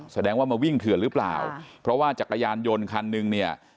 แสดงว่ามาวิ่งเถื่อนหรือเปล่าเพราะว่าจักรยานยนต์คันนึงเนี่ย